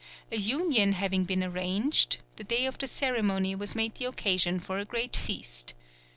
A union having been arranged, the day of the ceremony was made the occasion for a great feast.